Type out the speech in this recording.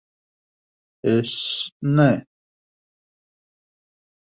Es ne...